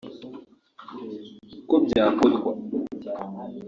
uko byakorwa